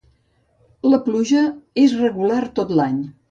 La pluja és regular tot l'any.